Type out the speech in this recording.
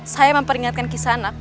saya memperingatkan kisana